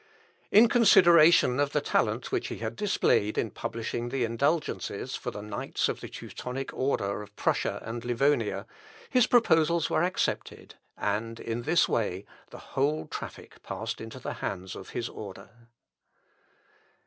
In consideration of the talent which he had displayed in publishing the indulgences for the knights of the Teutonic order of Prussia and Livonia, his proposals were accepted, and in this way, the whole traffic passed into the hands of his order.